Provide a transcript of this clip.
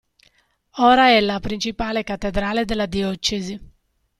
Ora è la principale cattedrale della diocesi.